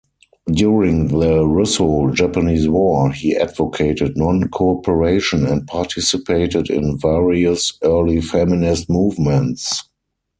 During the Russo-Japanese War, he advocated non-cooperation and participated in various early feminist movements.